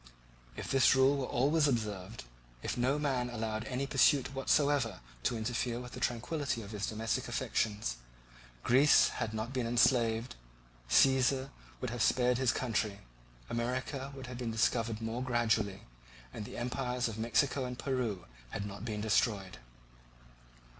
If this rule were always observed; if no man allowed any pursuit whatsoever to interfere with the tranquillity of his domestic affections, Greece had not been enslaved, Cæsar would have spared his country, America would have been discovered more gradually, and the empires of Mexico and Peru had not been destroyed.